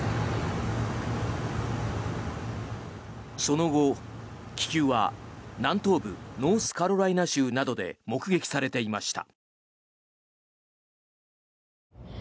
その後、気球は南東部ノースカロライナ州などで目撃されていました。